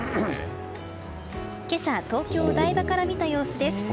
今朝、東京・台場から見た様子です。